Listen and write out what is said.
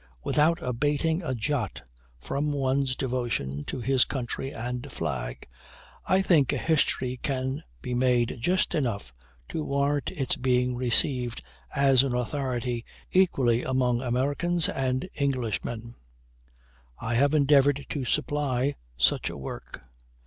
Without abating a jot from one's devotion to his country and flag, I think a history can be made just enough to warrant its being received as an authority equally among Americans and Englishmen. I have endeavored to supply such a work.